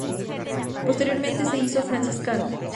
Posteriormente se hizo franciscano.